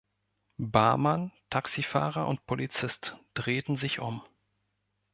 Barmann, Taxifahrer und Polizist drehten sich um.